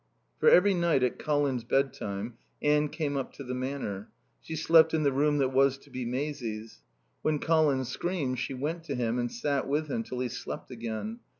For every night at Colin's bedtime Anne came up to the Manor. She slept in the room that was to be Maisie's. When Colin screamed she went to him and sat with him till he slept again.